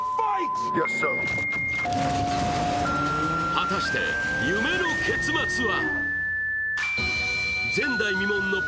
果たして夢の結末は。